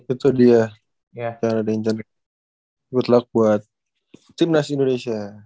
good luck buat timnas indonesia